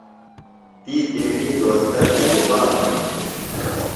تی تیݨی دوستہ تھےۡ گُبا منِیتوۡ؟